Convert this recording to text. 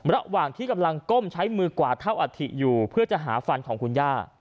ระหว่างที่กำลังก้มใช้มือกวาดเท่าอัฐิอยู่เพื่อจะหาฟันของคุณย่า